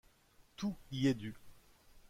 Tout y est dû.